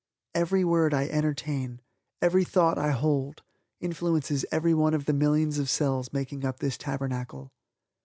Every word I entertain, every thought I hold, influences everyone of the millions of cells making up this Tabernacle.